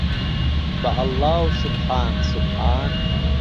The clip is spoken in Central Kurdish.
به ئهڵڵا و سوبحان سوبحان